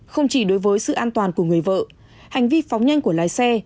không chỉ đối với sự an toàn của người vợ hành vi phóng nhanh của lái xe